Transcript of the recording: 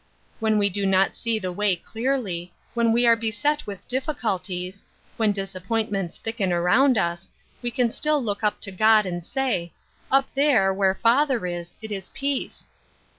When we do not see the way clearly ; when we are beset with difficulties ; when disap pointments thicken around us, we can still look up to God and say, ' Up there, where Father is, it is peace.'